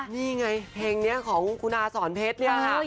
นี่ไงเพลงนี้ของขุนาศรเผชเอก